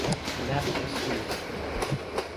نفع سود